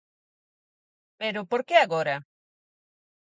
Pero, por que agora?